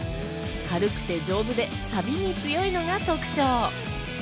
軽くて丈夫で錆に強いのが特徴。